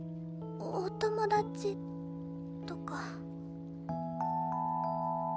お友達とか。